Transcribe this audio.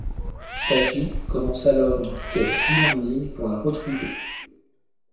Taji commence alors une quête d'île en île pour la retrouver.